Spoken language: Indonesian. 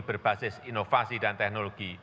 berbasis inovasi dan teknologi